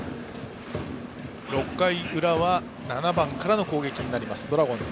６回の裏は７番からの攻撃になるドラゴンズ。